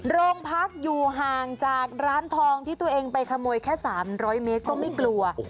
โรงพักอยู่ห่างจากร้านทองที่ตัวเองไปขโมยแค่๓๐๐เมตรก็ไม่กลัว